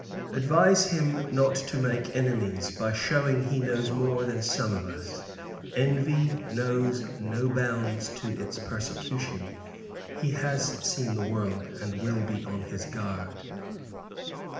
Advise him not to make enemies, by shewing he knows more than some of us. Envy knows no bounds to its persecution. He has seen the world, and will be on his guard.